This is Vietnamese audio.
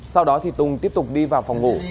sau đó thì tùng tiếp tục đi vào phòng ngủ